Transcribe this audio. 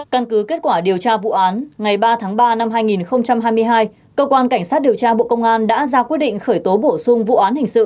căn cứ kết quả điều tra vụ án ngày ba tháng ba năm hai nghìn hai mươi hai cơ quan cảnh sát điều tra bộ công an đã ra quyết định khởi tố bổ sung vụ án hình sự